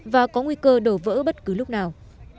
và có nguy cơ đổ vỡ bất cứ lúc nào